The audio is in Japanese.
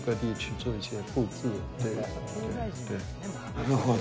なるほど。